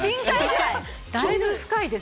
だいぶ深いです